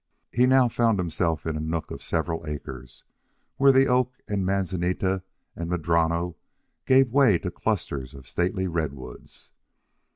He now found himself in a nook of several acres, where the oak and manzanita and madrono gave way to clusters of stately redwoods.